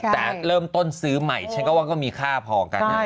แต่เริ่มต้นซื้อใหม่ฉันก็ว่าก็มีค่าพอกัน